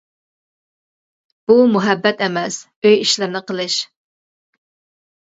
-بۇ مۇھەببەت ئەمەس ئۆي ئىشلىرىنى قىلىش.